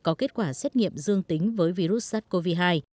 có kết quả xét nghiệm dương tính với virus sars cov hai